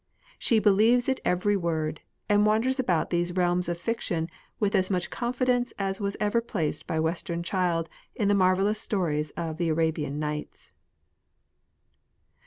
She believes it every word, and wanders about these realms of fiction with as much confidence as was ever placed by western child in the marvellous stories of the "Arabian Nights."